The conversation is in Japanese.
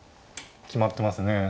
決まってますね。